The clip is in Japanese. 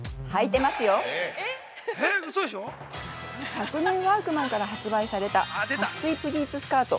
昨年ワークマンから発売された撥水プリーツスカート。